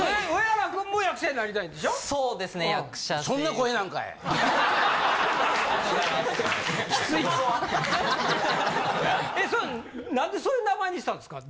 それなんでそういう名前にしたんですか？